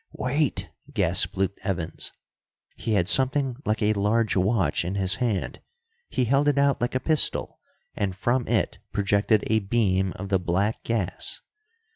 "Wait!" gasped Luke Evans. He had something like a large watch in his hand. He held it out like a pistol, and from it projected a beam of the black gas.